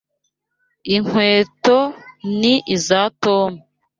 Inkweto ni izoa Tom.